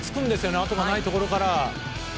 あとがないところから。